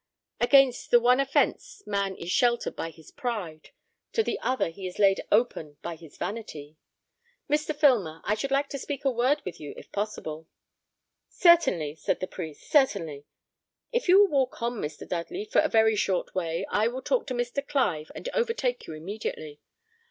Against the one offence man is sheltered by his pride; to the other he is laid open by his vanity. Mr. Filmer, I should like to speak a word with you, if possible." "Certainly," said the priest, "certainly; if you will walk on, Mr. Dudley, for a very short way, I will talk to Mr. Clive, and overtake you immediately.